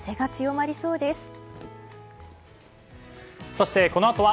そして、このあとは